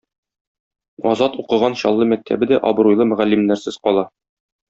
Азат укыган Чаллы мәктәбе дә абруйлы мөгаллимнәрсез кала.